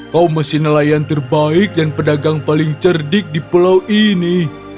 kau masih nelayan terbaik dan pedagang paling cerdik di pulau ini